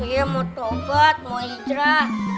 ya mau tobat mau hijrah